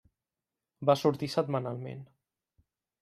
Va sortir setmanalment.